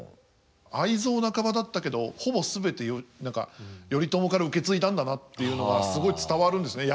愛憎半ばだったけどほぼ全て頼朝から受け継いだんだなっていうのはすごい伝わるんですね